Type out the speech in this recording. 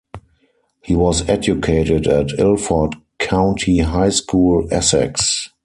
He was educated at Ilford County High School, Essex.